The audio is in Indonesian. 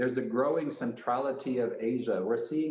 revolusi teknologi yang berlangsung